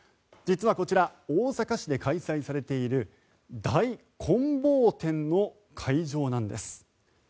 実はこちら大阪市で開催されている大棍棒展の会場なんです。